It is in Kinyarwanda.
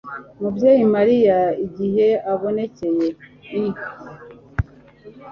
mubyeyi mariya, igihe ubonekeye i